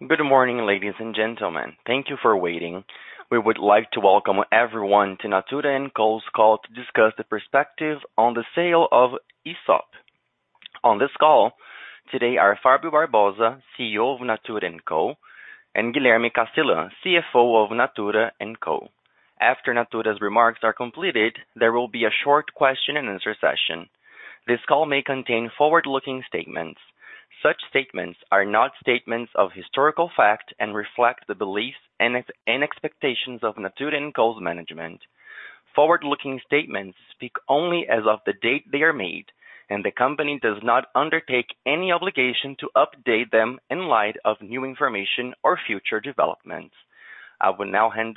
Good morning, ladies and gentlemen. Thank you for waiting. We would like to welcome everyone to Natura &Co's call to discuss the perspective on the sale of Aesop. On this call today are Fabio Barbosa, CEO of Natura &Co, and Guilherme Castellan, CFO of Natura &Co. After Natura's remarks are completed, there will be a short question and answer session. This call may contain forward-looking statements. Such statements are not statements of historical fact and reflect the beliefs and expectations of Natura &Co's management. Forward-looking statements speak only as of the date they are made, and the company does not undertake any obligation to update them in light of new information or future developments. I will now hand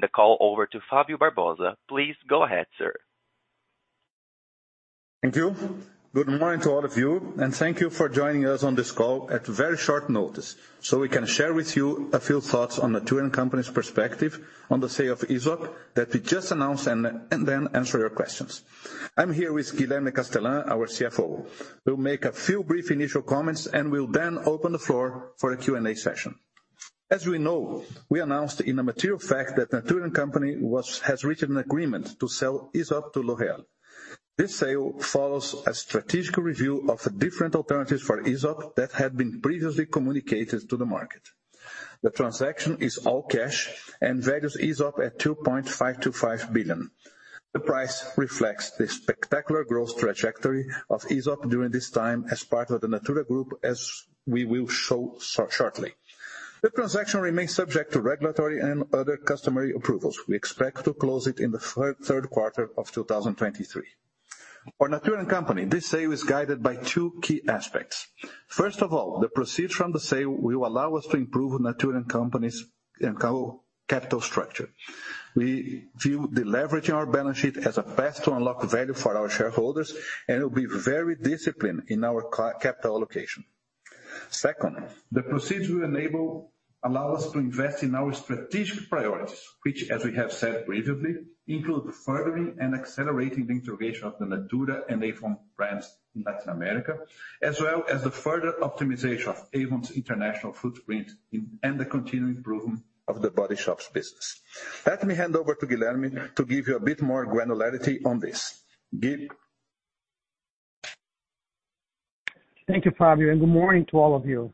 the call over to Fabio Barbosa. Please go ahead, sir. Thank you. Good morning to all of you, and thank you for joining us on this call at very short notice so we can share with you a few thoughts on Natura &Co's perspective on the sale of Aesop that we just announced and then answer your questions. I'm here with Guilherme Castellan, our CFO, who'll make a few brief initial comments, and we'll then open the floor for a Q&A session. As we know, we announced in a material fact that Natura &Co has reached an agreement to sell Aesop to L'Oréal. This sale follows a strategic review of the different alternatives for Aesop that had been previously communicated to the market. The transaction is all cash and values Aesop at $2.525 billion. The price reflects the spectacular growth trajectory of Aesop during this time as part of the Natura Group, as we will show shortly. The transaction remains subject to regulatory and other customary approvals. We expect to close it in the third quarter of 2023. For Natura & Company, this sale is guided by two key aspects. First of all, the proceeds from the sale will allow us to improve Natura & Company's capital structure. We view the leverage in our balance sheet as a path to unlock value for our shareholders, and we'll be very disciplined in our capital allocation. Second, the proceeds we enable allow us to invest in our strategic priorities, which, as we have said previously, include furthering and accelerating the integration of the Natura and Avon brands in Latin America, as well as the further optimization of Avon's international footprint and the continued improvement of The Body Shop's business. Let me hand over to Guilherme to give you a bit more granularity on this. Gui? Thank you, Fabio, and good morning to all of you.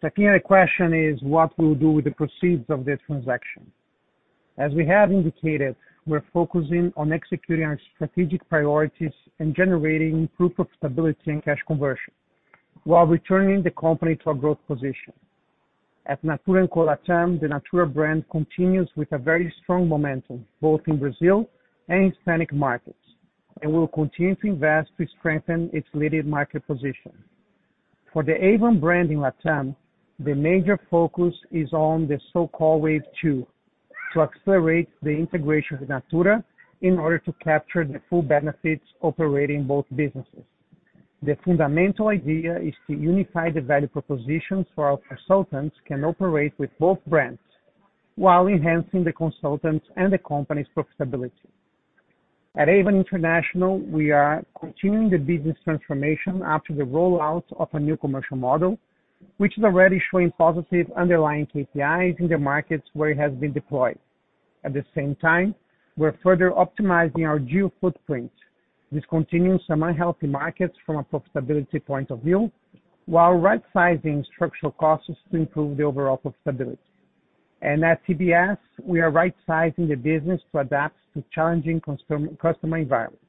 The key question is what we'll do with the proceeds of this transaction. As we have indicated, we're focusing on executing our strategic priorities and generating proof of stability and cash conversion while returning the company to a growth position. At Natura &Co Latam, the Natura brand continues with a very strong momentum, both in Brazil and Hispanic markets, and we will continue to invest to strengthen its leading market position. For the Avon brand in Latam, the major focus is on the so-called Wave 2 to accelerate the integration with Natura in order to capture the full benefits operating both businesses. The fundamental idea is to unify the value propositions for our consultants can operate with both brands while enhancing the consultants' and the company's profitability. At Avon International, we are continuing the business transformation after the rollout of a new commercial model, which is already showing positive underlying KPIs in the markets where it has been deployed. At the same time, we're further optimizing our geo footprint, discontinuing some unhealthy markets from a profitability point of view, while rightsizing structural costs to improve the overall profitability. At TBS, we are rightsizing the business to adapt to challenging customer environments.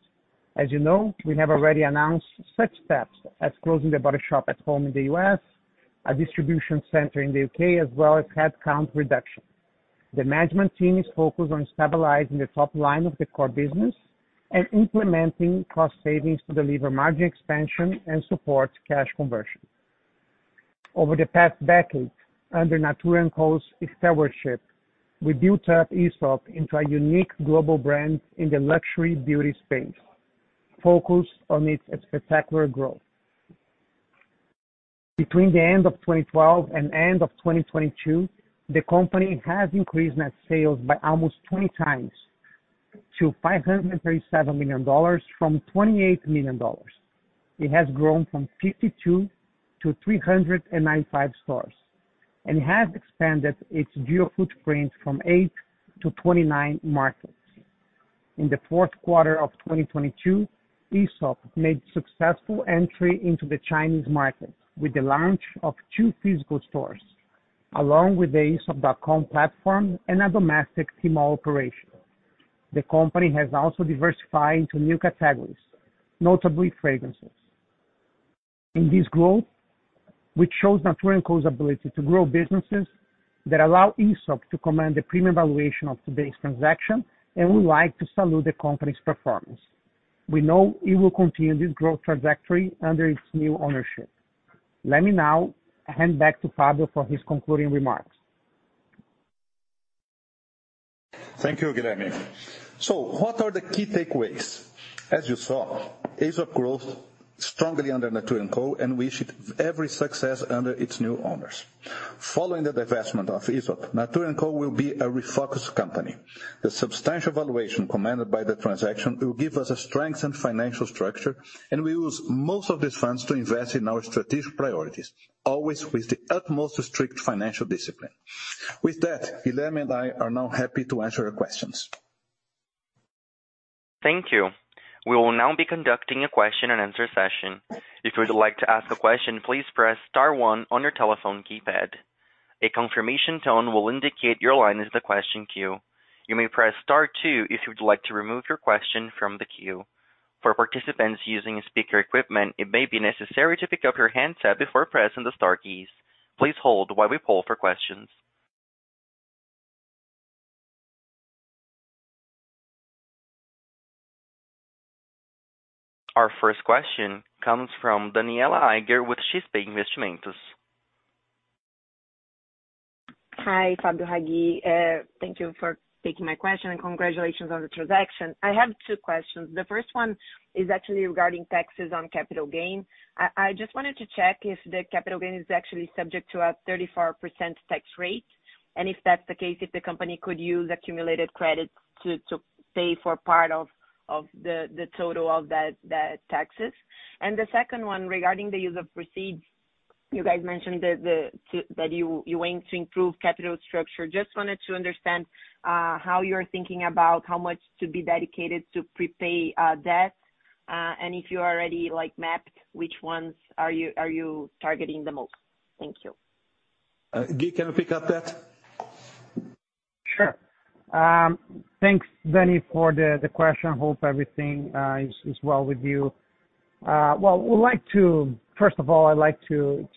As you know, we have already announced such steps as closing The Body Shop at Home in the U.S., a distribution center in the U.K., as well as headcount reduction. The management team is focused on stabilizing the top line of the core business and implementing cost savings to deliver margin expansion and support cash conversion. Over the past decade, under Natura &Co's stewardship, we built up Aesop into a unique global brand in the luxury beauty space, focused on its spectacular growth. Between the end of 2012 and end of 2022, the company has increased net sales by almost 20 times to $537 million from $28 million. It has grown from 52 to 395 stores and has expanded its geo footprint from 8 to 29 markets. In the fourth quarter of 2022, Aesop made successful entry into the Chinese market with the launch of two physical stores, along with the aesop.com platform and a domestic Tmall operation. The company has also diversified into new categories, notably fragrances. In this growth, which shows Natura &Co's ability to grow businesses that allow Aesop to command the premium valuation of today's transaction. We'd like to salute the company's performance. We know it will continue this growth trajectory under its new ownership. Let me now hand back to Fabio for his concluding remarks. Thank you, Guilherme. What are the key takeaways? As you saw, Aesop growth strongly under Natura &Co, and we wish it every success under its new owners. Following the divestment of Aesop, Natura &Co will be a refocused company. The substantial valuation commanded by the transaction will give us a strengthened financial structure, and we'll use most of these funds to invest in our strategic priorities, always with the utmost strict financial discipline. With that, Guilherme and I are now happy to answer your questions. Thank you. We will now be conducting a question and answer session. If you would like to ask a question, please press star one on your telephone keypad. A confirmation tone will indicate your line is the question queue. You may press star two if you would like to remove your question from the queue. For participants using speaker equipment, it may be necessary to pick up your handset before pressing the star keys. Please hold while we poll for questions. Our first question comes fromDanniela Eiger with XP Investimentos. Hi, Fabio, Gui. Thank you for taking my question, and congratulations on the transaction. I have two questions. The first one is actually regarding taxes on capital gain. I just wanted to check if the capital gain is actually subject to a 34% tax rate, and if that's the case, if the company could use accumulated credit to pay for part of the total of that, the taxes. The second one regarding the use of proceeds. You guys mentioned that you aim to improve capital structure. Just wanted to understand how you're thinking about how much to be dedicated to prepay debt, and if you already, like, mapped which ones are you targeting the most? Thank you. Gui, can you pick up that? Sure. Thanks, Dani, for the question. Hope everything is well with you. Well, first of all, I'd like to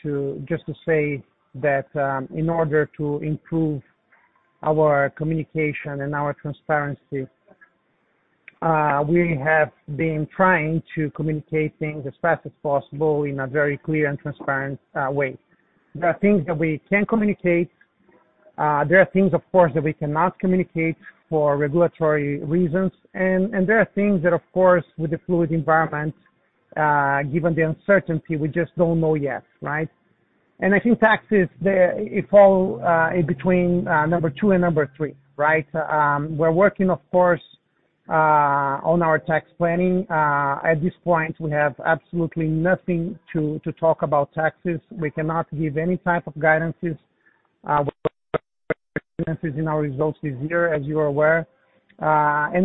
just to say that in order to improve our communication and our transparency, we have been trying to communicate things as fast as possible in a very clear and transparent way. There are things that we can communicate, there are things, of course, that we cannot communicate for regulatory reasons and there are things that, of course, with the fluid environment, given the uncertainty, we just don't know yet, right? I think taxes there, it fall in between number 2 and number 3, right? We're working, of course, on our tax planning. At this point, we have absolutely nothing to talk about taxes. We cannot give any type of guidances in our results this year, as you are aware.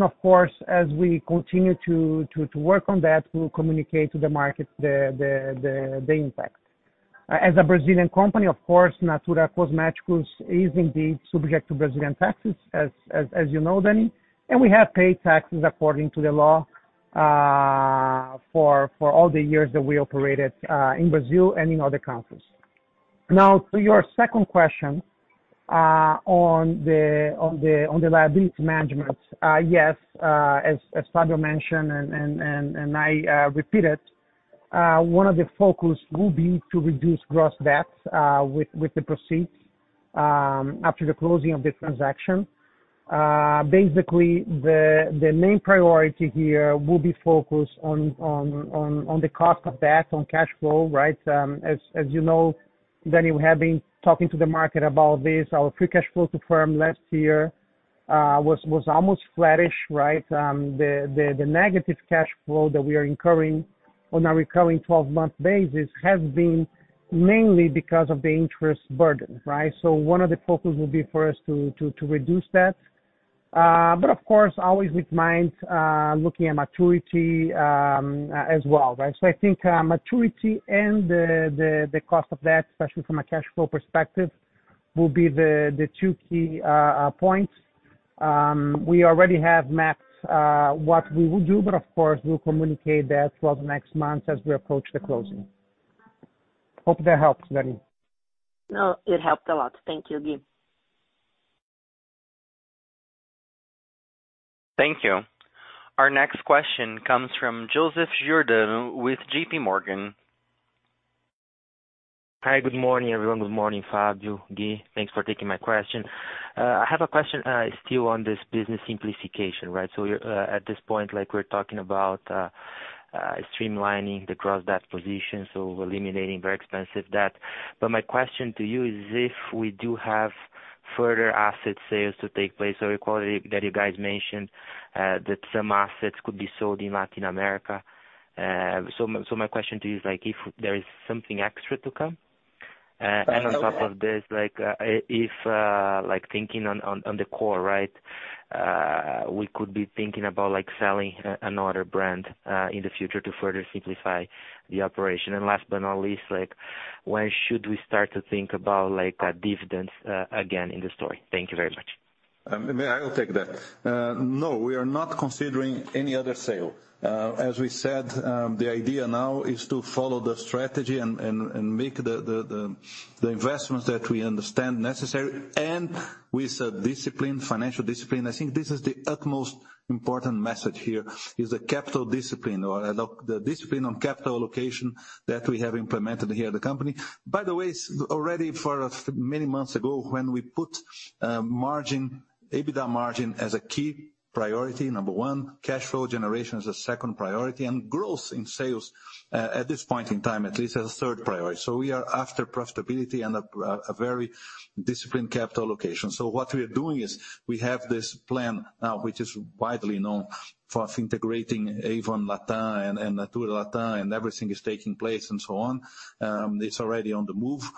Of course, as we continue to work on that, we'll communicate to the market the impact. As a Brazilian company, of course, Natura &Co's match course is indeed subject to Brazilian taxes as you know, Dani. We have paid taxes according to the law for all the years that we operated in Brazil and in other countries. Now to your second question on the liability management. Yes, as Fabio mentioned and I repeat it, one of the focus will be to reduce gross debts with the proceeds after the closing of the transaction. Basically the main priority here will be focused on the cost of debt on cash flow, right? As you know, Dani, we have been talking to the market about this. Our free cash flow to firm last year was almost flattish, right? The negative cash flow that we are incurring on a recurring twelve-month basis has been mainly because of the interest burden, right? One of the focus will be for us to reduce that. Of course, always with mind looking at maturity as well, right? I think maturity and the cost of debt, especially from a cash flow perspective, will be the two key points. We already have mapped what we will do. Of course, we'll communicate that throughout the next months as we approach the closing. Hope that helps, Dani. No, it helped a lot. Thank you, Gui. Thank you. Our next question comes from Joseph Giordano with JP Morgan. Hi, good morning, everyone. Good morning, Fabio, Gui. Thanks for taking my question. I have a question, still on this business simplification, right? You're, at this point, like we're talking about, streamlining the gross debt position, so eliminating very expensive debt. My question to you is if we do have further asset sales to take place or equality that you guys mentioned, that some assets could be sold in Latin America? My question to you is like, if there is something extra to come? On top of this, like, if, like thinking on, on the core, right, we could be thinking about, like, selling another brand, in the future to further simplify the operation? Last but not least, like, when should we start to think about, like, a dividend, again in the story? Thank you very much. May I will take that. No, we are not considering any other sale. As we said, the idea now is to follow the strategy and make the investments that we understand necessary and with a discipline, financial discipline. I think this is the utmost important message here is the capital discipline or the discipline on capital allocation that we have implemented here at the company. By the way, already for many months ago, when we put margin, EBITDA margin as a key priority, number one, cash flow generation as a second priority, and growth in sales, at this point in time, at least as a third priority. We are after profitability and a very disciplined capital allocation. What we are doing is we have this plan now, which is widely known for integrating Avon LatAm and Natura LatAm, and everything is taking place and so on. It's already on the move.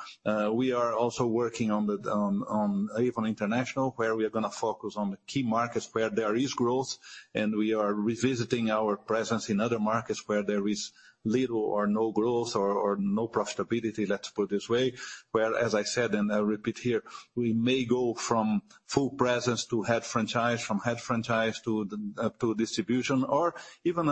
We are also working on Avon International, where we are gonna focus on the key markets where there is growth, and we are revisiting our presence in other markets where there is little or no growth or no profitability, let's put it this way. Where as I said, and I repeat here, we may go from full presence to head franchise, from head franchise to the to distribution or even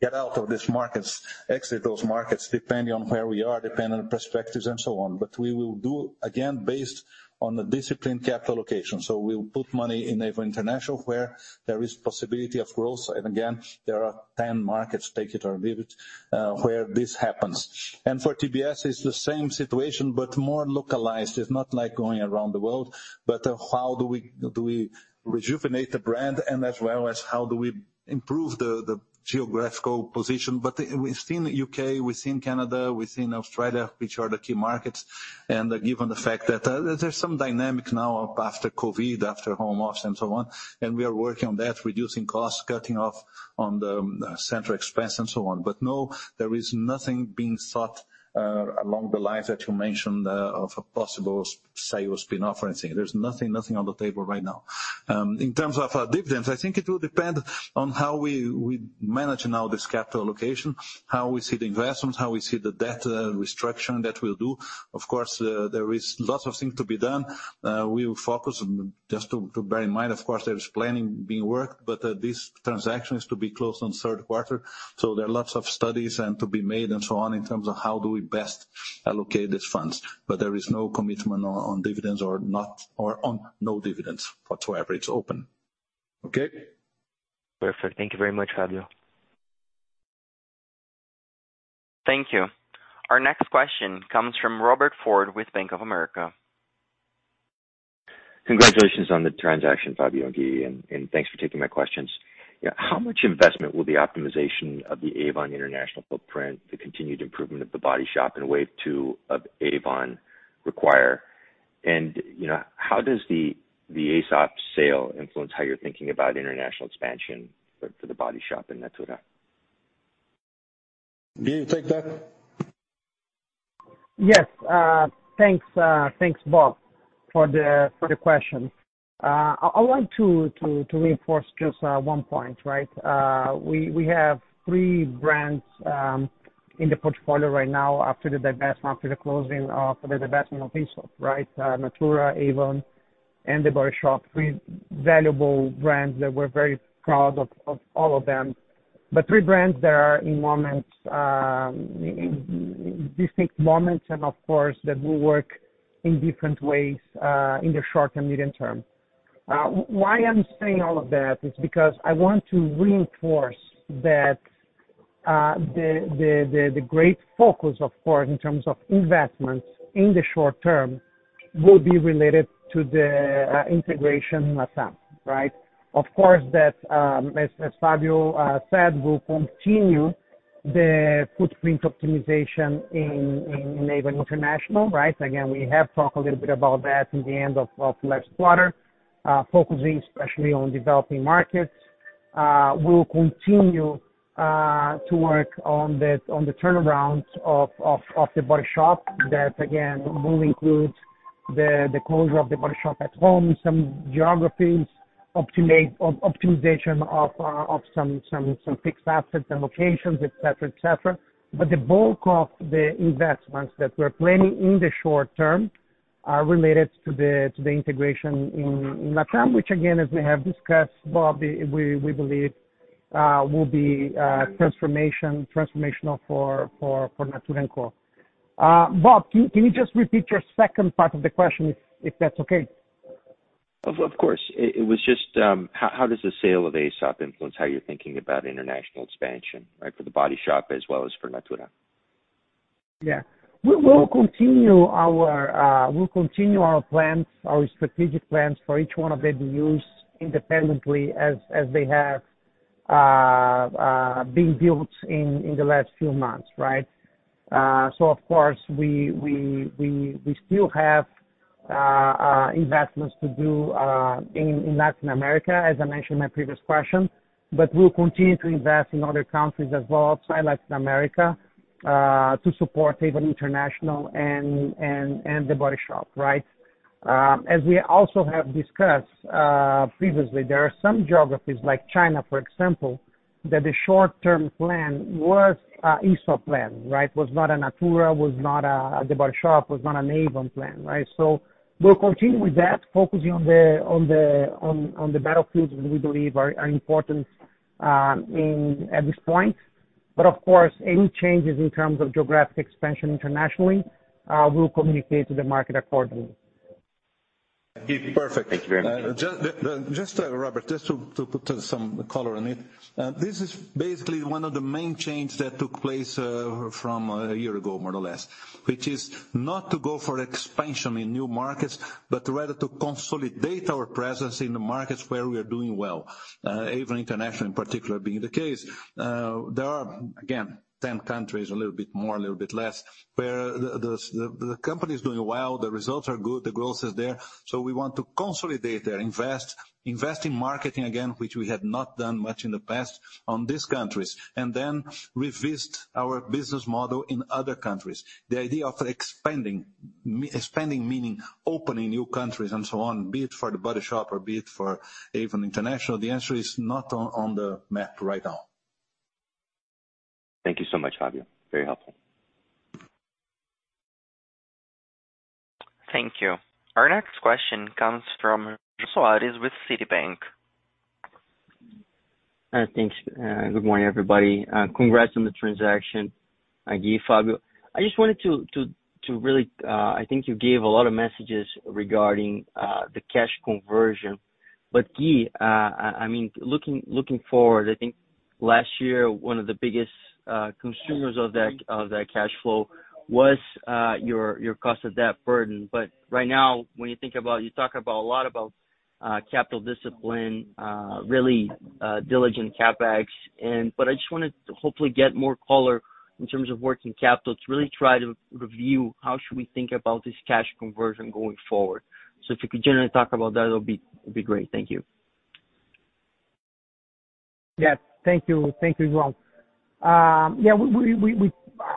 get out of these markets, exit those markets depending on where we are, depending on perspectives and so on. We will do, again, based on the disciplined capital allocation. We'll put money in Avon International where there is possibility of growth. Again, there are ten markets, take it or leave it, where this happens. For TBS, it's the same situation, but more localized. It's not like going around the world, but, how do we rejuvenate the brand and as well as how do we improve the geographical position. We've seen UK, we've seen Canada, we've seen Australia, which are the key markets. Given the fact that, there's some dynamic now after COVID, after home office and so on, and we are working on that, reducing costs, cutting off on the central expense and so on. No, there is nothing being thought along the lines that you mentioned, of a possible sales spin-off or anything. There's nothing on the table right now. In terms of dividends, I think it will depend on how we manage now this capital allocation, how we see the investments, how we see the debt restructure that we'll do. Of course, there is lots of things to be done. Just to bear in mind, of course, there's planning being worked, but this transaction is to be closed on third quarter, so there are lots of studies and to be made and so on in terms of how do we best allocate these funds. There is no commitment on dividends or not, or on no dividends whatsoever. It's open. Okay? Perfect. Thank you very much, Fabio. Thank you. Our next question comes from Robert Ford with Bank of America. Congratulations on the transaction, Fabio and Gui, and thanks for taking my questions. How much investment will the optimization of the Avon International footprint, the continued improvement of The Body Shop and Wave 2 of Avon require? You know, how does the Aesop sale influence how you're thinking about international expansion for The Body Shop and Natura? Gui, you take that? Yes. Thanks, thanks, Bob, for the question. I want to reinforce just one point, right? We have three brands in the portfolio right now after the divestment, after the closing of the divestment of Aesop, right? Natura, Avon, and The Body Shop. Three valuable brands that we're very proud of all of them. Three brands that are in moments, in distinct moments and of course, that will work in different ways in the short and medium term. Why I'm saying all of that is because I want to reinforce that the great focus, of course, in terms of investments in the short term will be related to the integration in LatAm, right? Of course, that, as Fabio said, we'll continue the footprint optimization in Avon International, right? We have talked a little bit about that in the end of last quarter, focusing especially on developing markets. We'll continue to work on the turnarounds of The Body Shop that again, will include the closure of The Body Shop at Home, some geographies, optimization of some fixed assets and locations, et cetera, et cetera. The bulk of the investments that we're planning in the short term are related to the integration in LatAm, which again, as we have discussed, Bob, we believe will be transformational for Natura &Co. Bob, can you just repeat your second part of the question, if that's okay? Of course. It was just, how does the sale of Aesop influence how you're thinking about international expansion, right? For The Body Shop as well as for Natura. Yeah. We will continue our, we'll continue our plans, our strategic plans for each one of the BUs independently as they have been built in the last few months, right? Of course, we still have investments to do in Latin America, as I mentioned in my previous question. We'll continue to invest in other countries as well outside Latin America, to support Avon International and The Body Shop, right? As we also have discussed previously, there are some geographies like China, for example, that the short-term plan was Aesop plan, right? Was not a Natura, was not a The Body Shop, was not an Avon plan, right? We'll continue with that, focusing on the battlefields that we believe are important, at this point. But of course, any changes in terms of geographic expansion internationally, we'll communicate to the market accordingly. Perfect. Thank you very much. Just Robert, just to put some color on it, this is basically one of the main changes that took place from a year ago, more or less, which is not to go for expansion in new markets, but rather to consolidate our presence in the markets where we are doing well. Avon International in particular being the case. There are, again, 10 countries, a little bit more, a little bit less, where the company is doing well, the results are good, the growth is there. We want to consolidate there, invest in marketing again, which we had not done much in the past on these countries, then revisit our business model in other countries. The idea of expanding meaning opening new countries and so on, be it for The Body Shop or be it for Avon International, the answer is not on the map right now. Thank you so much, Fabio. Very helpful. Thank you. Our next question comes from João Soares with Citi. Thanks. Good morning, everybody. Congrats on the transaction, Gui, Fabio. I just wanted to really, I mean, I think you gave a lot of messages regarding the cash conversion. Guy, I mean, looking forward, I think last year, one of the biggest consumers of that cash flow was your cost of debt burden. Right now, when you think about, you talk about a lot about capital discipline, really diligent CapEx. I just wanted to hopefully get more color in terms of working capital to really try to review how should we think about this cash conversion going forward. If you could generally talk about that, it'll be great. Thank you. Yes. Thank you. Thank you, João. Yeah,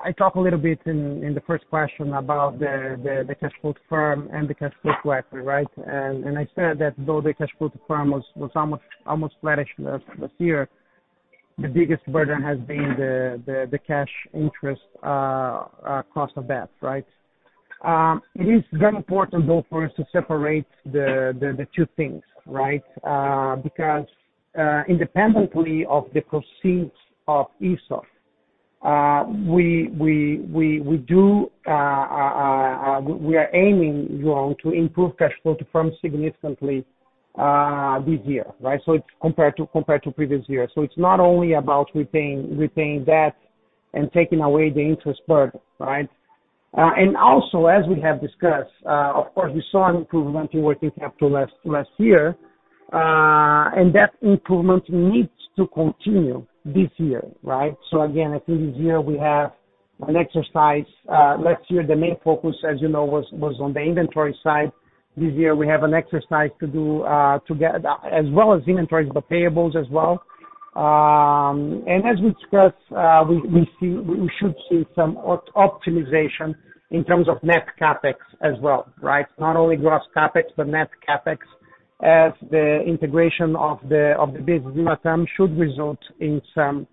I talked a little bit in the first question about the cash flow firm and the cash flow to equity, right? I said that though the cash flow to firm was almost flattish this year, the biggest burden has been the cash interest cost of debt, right? It is very important though for us to separate the two things, right? Because independently of the proceeds of Aesop, we are aiming, João, to improve cash flow to firm significantly this year, right? It's compared to previous years. It's not only about repaying debt and taking away the interest burden, right? Also, as we have discussed, of course, we saw an improvement in working capital last year, and that improvement needs to continue this year, right? Again, I think this year we have an exercise. Last year, the main focus, as you know, was on the inventory side. This year, we have an exercise to do, as well as inventories, but payables as well. As we discussed, we should see some optimization in terms of net CapEx as well, right? Not only gross CapEx, but net CapEx as the integration of the Business Unit term should result in some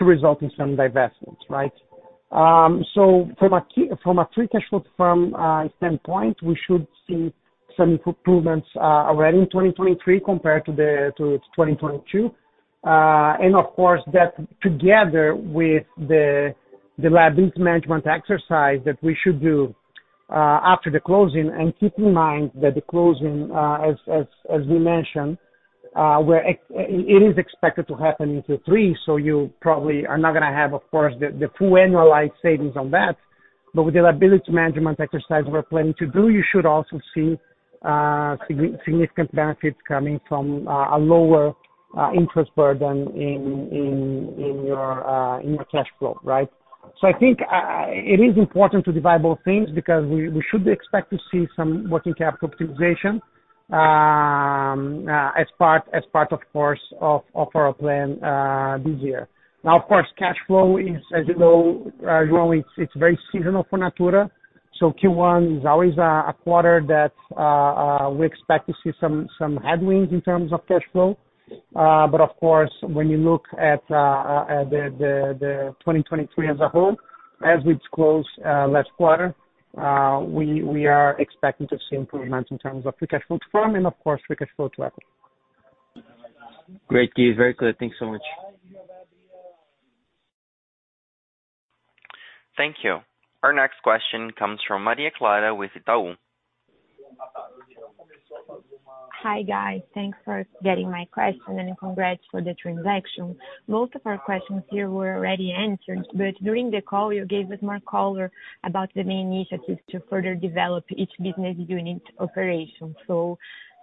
divestments, right? From a free cash flow firm standpoint, we should see some improvements already in 2023 compared to 2022. Of course, that together with the liabilities management exercise that we should do after the closing. Keep in mind that the closing, as we mentioned, it is expected to happen in Q3, so you probably are not gonna have, of course, the full annualized savings on that. With the liability management exercise we're planning to do, you should also see significant benefits coming from a lower interest burden in your cash flow, right? I think it is important to divide both things because we should expect to see some working capital optimization as part of course of our plan this year. Of course, cash flow is, as you know, João, it's very seasonal for Natura. Q1 is always a quarter that we expect to see some headwinds in terms of cash flow. Of course, when you look at 2023 as a whole, as we disclosed last quarter, we are expecting to see improvements in terms of the cash flow to firm and of course, the cash flow to equity. Great, Guy. Very clear. Thanks so much. Thank you. Our next question comes from Maria Clara with Itaú. Hi, guys. Thanks for getting my question and congrats for the transaction. During the call, you gave us more color about the main initiatives to further develop each business unit operation.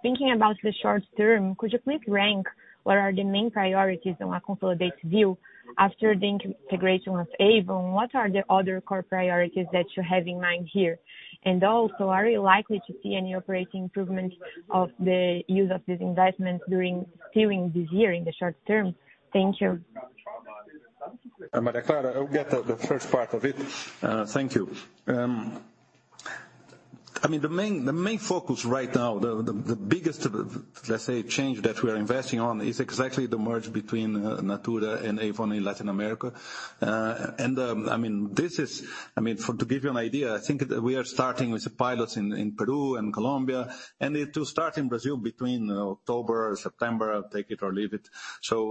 Thinking about the short term, could you please rank what are the main priorities on a consolidated view after the in-integration of Avon? What are the other core priorities that you have in mind here? Are you likely to see any operating improvements of the use of this investment during this year, in the short term? Thank you. Maria Clara, I'll get the first part of it. Thank you. The main focus right now, the biggest, let's say, change that we're investing on is exactly the merge between Natura and Avon in Latin America. To give you an idea, I think we are starting with the pilots in Peru and Colombia, and it will start in Brazil between October, September, take it or leave it.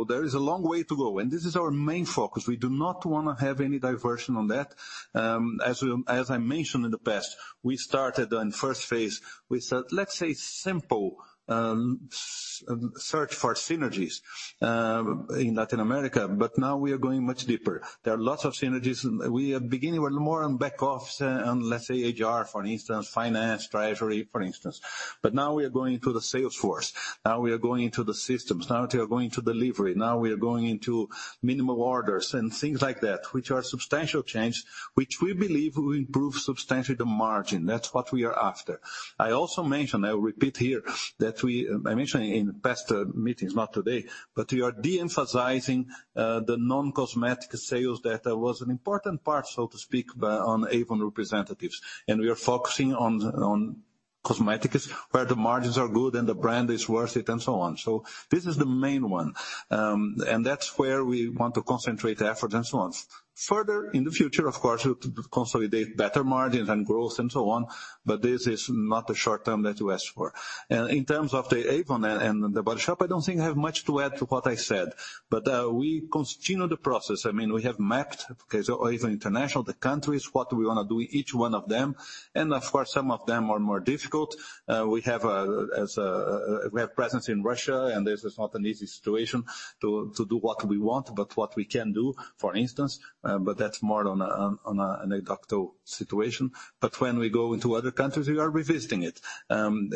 There is a long way to go. This is our main focus. We do not wanna have any diversion on that. As I mentioned in the past, we started on first phase with, let's say, simple, search for synergies in Latin America, now we are going much deeper. There are lots of synergies. We are beginning with more on back office and let's say HR, for instance, finance, treasury, for instance. Now we are going into the sales force. Now we are going into the systems. Now we are going to delivery. Now we are going into minimum orders and things like that, which are substantial change, which we believe will improve substantially the margin. That's what we are after. I also mentioned, I'll repeat here that I mentioned in past meetings, not today, but we are de-emphasizing the non-cosmetic sales that was an important part, so to speak, on Avon representatives. We are focusing on cosmetics where the margins are good and the brand is worth it and so on. This is the main one. And that's where we want to concentrate the effort and so on. Further in the future, of course, we have to consolidate better margins and growth and so on, but this is not the short term that you asked for. In terms of the Avon and The Body Shop, I don't think I have much to add to what I said. We continue the process. I mean, we have mapped, okay, so Avon International, the countries, what we wanna do in each one of them. Of course, some of them are more difficult. We have presence in Russia, and this is not an easy situation to do what we want, but what we can do, for instance, but that's more on a, an ad hoc situation. When we go into other countries, we are revisiting it.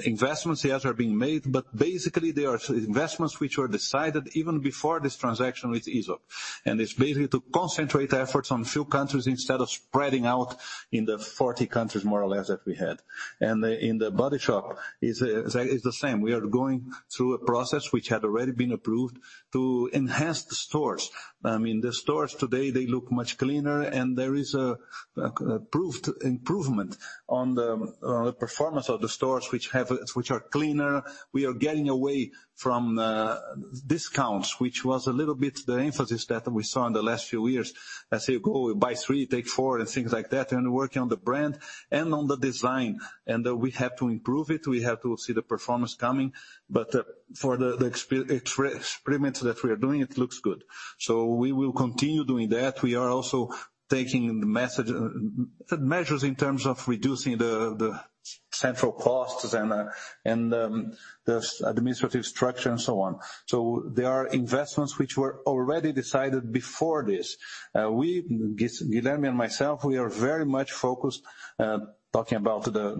Investments, yes, are being made, basically, they are investments which were decided even before this transaction with Aesop. It's basically to concentrate efforts on few countries instead of spreading out in the 40 countries more or less that we had. In The Body Shop is the same. We are going through a process which had already been approved to enhance the stores. I mean, the stores today, they look much cleaner and there is a proved improvement on the performance of the stores which are cleaner. We are getting away from discounts, which was a little bit the emphasis that we saw in the last few years. Let's say you go, buy 3, take 4, and things like that, and working on the brand and on the design. We have to improve it. We have to see the performance coming. For the experiments that we are doing, it looks good. We will continue doing that. We are also taking the measures in terms of reducing the central costs and the administrative structure and so on. There are investments which were already decided before this. We, Guilherme and myself, we are very much focused talking about the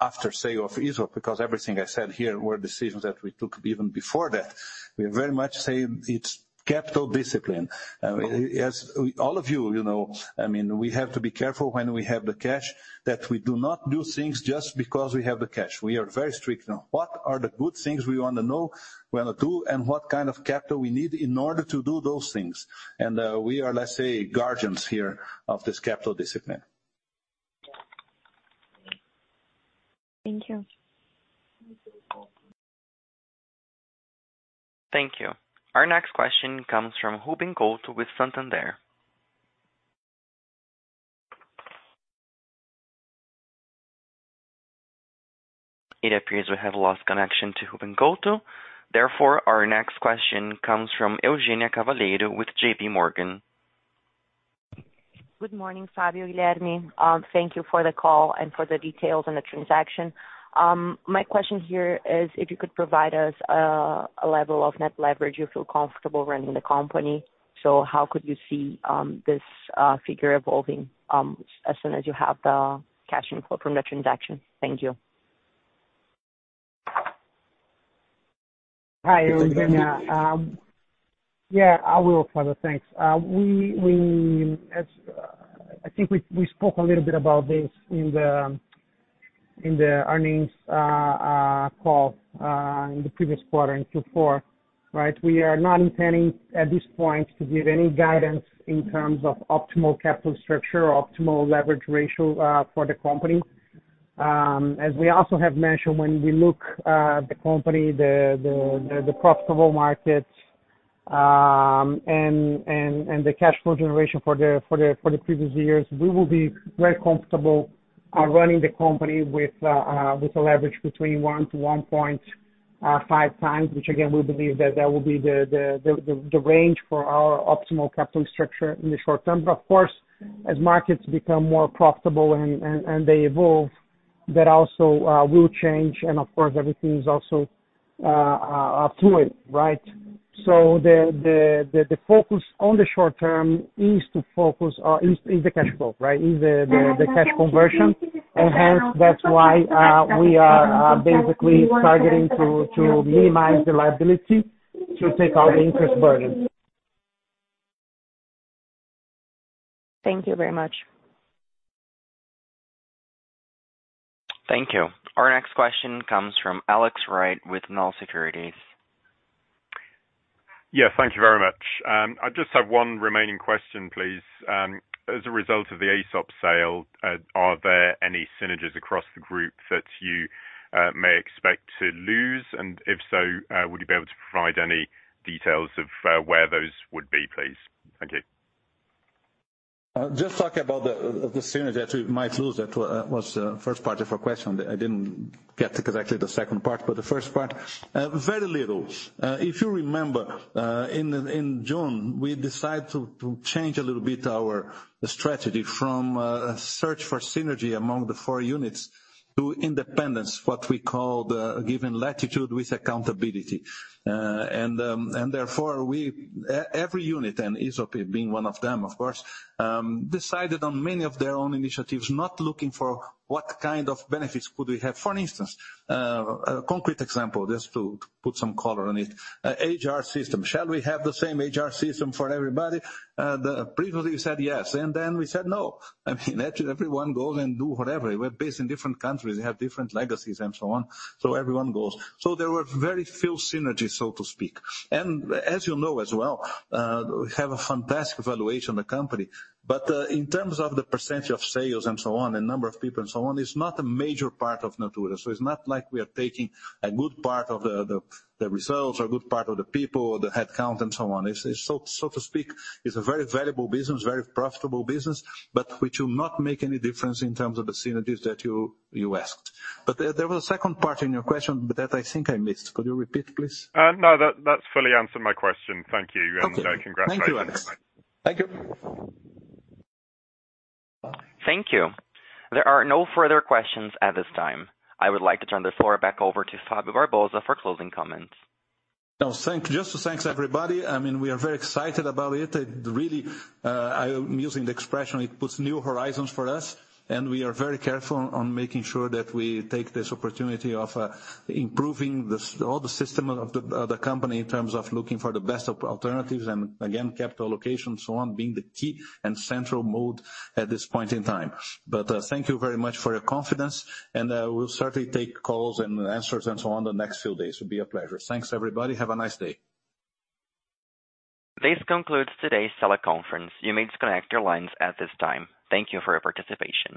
after sale of Aesop, because everything I said here were decisions that we took even before that. We very much say it's capital discipline. As all of you know, I mean, we have to be careful when we have the cash that we do not do things just because we have the cash. We are very strict on what are the good things we wanna know, wanna do, and what kind of capital we need in order to do those things. We are, let's say, guardians here of this capital discipline. Thank you. Thank you. Our next question comes from Ruben Couto with Santander. It appears we have lost connection to Ruben Couto. Our next question comes from Eugenia Cavaleiro with JP Morgan. Good morning, Fabio, Guilherme. Thank you for the call and for the details on the transaction. My question here is if you could provide us a level of net leverage you feel comfortable running the company. How could you see this figure evolving as soon as you have the cash inflow from the transaction? Thank you. Hi, Eugenia. Yeah, I will. Fabio, thanks. I think we spoke a little bit about this in the earnings call in the previous quarter in Q4, right? We are not intending at this point to give any guidance in terms of optimal capital structure or optimal leverage ratio for the company. As we also have mentioned, when we look at the company, the profitable markets, and the cash flow generation for the previous years, we will be very comfortable running the company with a leverage between 1 to 1.5 times, which again, we believe that will be the range for our optimal capital structure in the short term. Of course, as markets become more profitable and they evolve, that also will change. Of course, everything is also fluid, right? The focus on the short term is to focus, is the cash flow, right? Is the cash conversion. Hence that's why we are basically starting to minimize the liability to take out the interest burden. Thank you very much. Thank you. Our next question comes from Alex Wright with Nau Securities. Yeah, thank you very much. I just have one remaining question, please. As a result of the Aesop sale, are there any synergies across the group that you may expect to lose? If so, would you be able to provide any details of where those would be, please? Thank you. Just talking about the synergy that we might lose, that was the first part of your question. I didn't get it 'cause actually the second part. The first part, very little. If you remember, in June, we decided to change a little bit our strategy from a search for synergy among the four units to independence, what we call the given latitude with accountability. Therefore we every unit and Aesop being one of them of course, decided on many of their own initiatives, not looking for what kind of benefits could we have. For instance, a concrete example, just to put some color on it. HR system, shall we have the same HR system for everybody? Previously we said yes, and then we said no. I mean, actually everyone goes and do whatever. We're based in different countries. We have different legacies and so on, so everyone goes. There were very few synergies, so to speak. As you know as well, we have a fantastic valuation of the company. In terms of the percentage of sales and so on and number of people and so on, it's not a major part of Natura. It's not like we are taking a good part of the results or a good part of the people or the head count and so on. It's so to speak, it's a very valuable business, very profitable business. Which will not make any difference in terms of the synergies that you asked. There was a second part in your question that I think I missed. Could you repeat, please? No. That's fully answered my question. Thank you. Okay. Congratulations. Thank you, Andrew. Thank you. Bye. Thank you. There are no further questions at this time. I would like to turn the floor back over to Fabio Barbosa for closing comments. Just to thanks everybody. I mean, we are very excited about it. It really, I'm using the expression, it puts new horizons for us, and we are very careful on making sure that we take this opportunity of improving the, all the system of the company in terms of looking for the best alternatives. Again, capital allocation so on, being the key and central mode at this point in time. Thank you very much for your confidence and we'll certainly take calls and answers and so on the next few days. It would be a pleasure. Thanks, everybody. Have a nice day. This concludes today's teleconference. You may disconnect your lines at this time. Thank you for your participation.